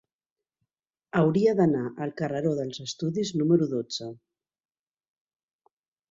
Hauria d'anar al carreró dels Estudis número dotze.